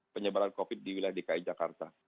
penyebaran covid di wilayah dki jakarta